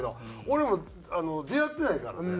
俺出会ってないからね。